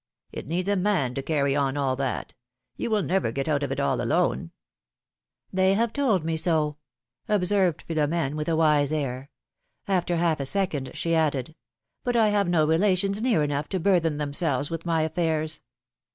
It needs a man to carry on all that ! You will never get out of it all alone ! They have told me ro,'^ observed Philom^ne, with a wise air. After half a second, she added : But I have no relations near enough to burthen themselves with my affairs.